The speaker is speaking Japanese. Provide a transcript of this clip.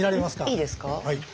いいですか？